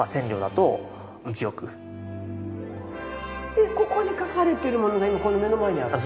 えっここに書かれてるものが今この目の前にある。